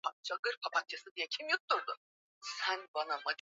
kumshirikisha mwenyeji Venezuela ni nchi kaskazini mwa